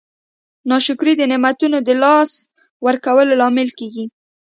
ناشکري د نعمتونو د لاسه ورکولو لامل کیږي.